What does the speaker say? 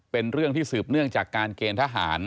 เป็นเรื่องที่สืบเนื่องจากการเกณฑ์ทหาร